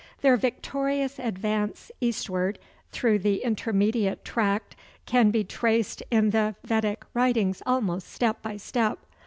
Their victorious advance eastward through the intermediate tract can be traced in the Vedic writings almost step by step.